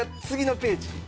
次のページ。